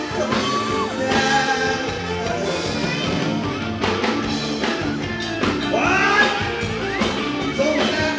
กับเธออยู่ที่หลัง